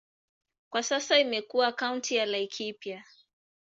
Kwa sasa imekuwa kaunti ya Laikipia.